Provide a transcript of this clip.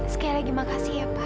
sekali lagi makasih ya pak